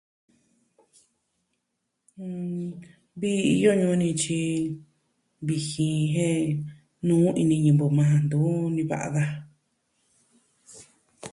Mm... vii iyo ñuu ni tyi vijin jin jen nuu ini ñivɨ majan ntu niva'a daja.